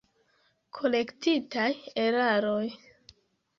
Korektitaj eraroj.